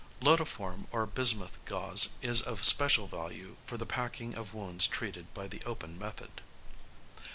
Iodoform or bismuth gauze is of special value for the packing of wounds treated by the open method.